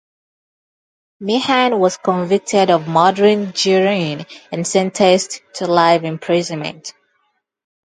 Meehan was convicted of murdering Guerin, and sentenced to life imprisonment.